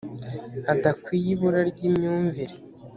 adakwiye ibura ry imyumvire